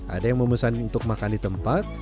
ada yang memesan untuk makan di tempat